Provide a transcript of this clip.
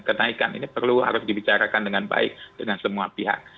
kenaikan ini perlu harus dibicarakan dengan baik dengan semua pihak